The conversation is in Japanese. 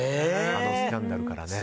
あのスキャンダルからね。